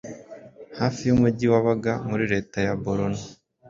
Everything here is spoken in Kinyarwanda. hafi y'umujyi wa Baga muri leta ya Borono,